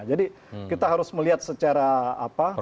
jadi kita harus melihat secara apa